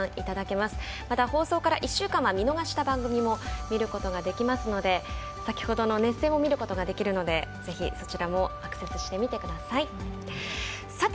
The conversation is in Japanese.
また放送から１週間は見逃した番組も見ることができますので先ほどの熱戦も見ることができるのでぜひそちらもアクセスしてみてください。